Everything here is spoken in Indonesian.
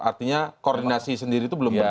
artinya koordinasi sendiri itu belum berjalan